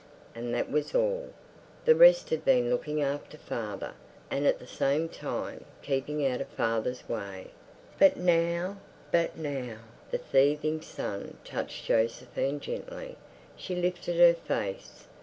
And that was all. The rest had been looking after father, and at the same time keeping out of father's way. But now? But now? The thieving sun touched Josephine gently. She lifted her face.